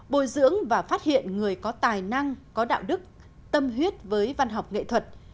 bồi dưỡng và phát hiện người có tài năng có đạo đức tâm huyết với văn học nghệ thuật